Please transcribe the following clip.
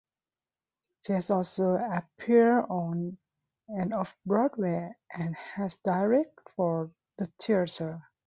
She has also appeared on and off-Broadway, and has directed for the theater.